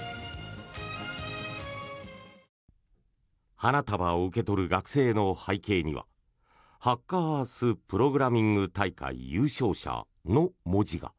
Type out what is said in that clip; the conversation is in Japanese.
花束を受け取る学生の背景には「ハッカーアースプログラミング大会優勝者」の文字が。